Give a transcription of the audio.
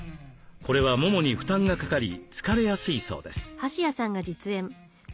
これはももに負担がかかり疲れやすいそうです。